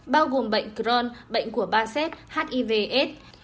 bao gồm bệnh crohn bệnh của barset hiv aids